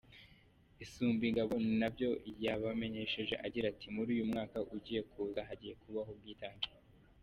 Isumbingabo ni byo yabamenyesheje agira ati: «Muri uyu mwaka ugiye kuza hagiye kubaho ubwitange.